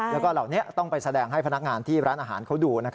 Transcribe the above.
แล้วก็เหล่านี้ต้องไปแสดงให้พนักงานที่ร้านอาหารเขาดู